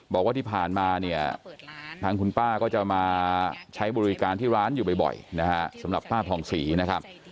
บอกว่าที่ผ่านมาเนี่ยทางคุณป้าก็จะมาใช้บริการที่ร้านอยู่บ่อยนะฮะสำหรับป้าผ่องศรีนะครับ